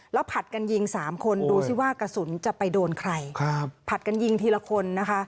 แล้วผัดกันยิงสามคนดูซิว่ากระสุนจะไปโดนใครครับผัดกันยิงทีละคนนะคะ